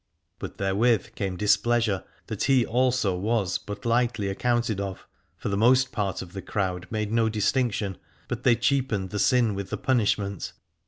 But therewith came displeasure, that he also was but lightly accounted of: for the most part of the crowd made no distinction, but they cheapened the sin with the punishment.